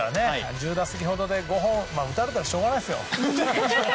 １０打席ほどで５本って打たれたらしょうがないですよ。